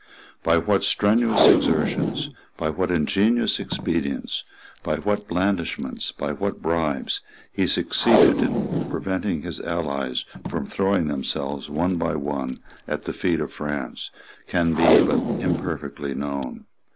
By what strenuous exertions, by what ingenious expedients, by what blandishments, by what bribes, he succeeded in preventing his allies from throwing themselves, one by one, at the feet of France, can be but imperfectly known.